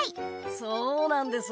そうなんです。